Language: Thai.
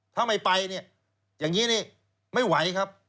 ถ้าไม่ไปเนี่ยอย่างนี้นี่ไม่ไหวครับ